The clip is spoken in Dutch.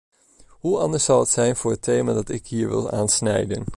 Hoe anders zal het zijn voor het thema dat ik hier wil aansnijden.